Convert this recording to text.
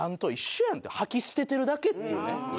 吐き捨ててるだけっていうね。